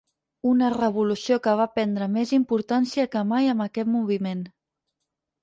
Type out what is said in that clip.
Una revolució que va prendre més importància que mai amb aquest moviment.